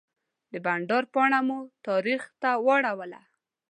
د بانډار پاڼه مو تاریخ ته واړوله.